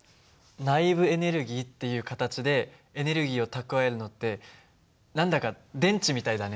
内部エネルギーっていう形でエネルギーを蓄えるのって何だか電池みたいだね。